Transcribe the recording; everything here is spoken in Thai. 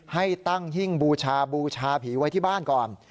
ให้ตั้งหิ้งบูชาบูชาผีไว้ที่บ้านก่อน